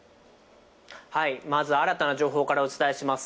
まず新たな情報からお伝えします。